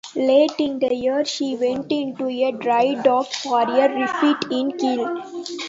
Late in the year, she went into drydock for a refit in Kiel.